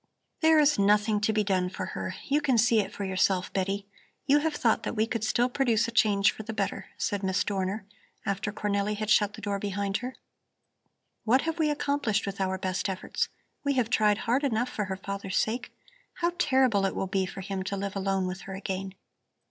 "There is nothing to be done with her; you can see it for yourself, Betty. You have thought that we could still produce a change for the better," said Miss Dorner, after Cornelli had shut the door behind her. "What have we accomplished with our best efforts? We have tried hard enough for her father's sake. How terrible it will be for him to live alone with her again!